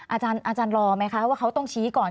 อาจารย์รอไหมคะว่าเขาต้องชี้ก่อน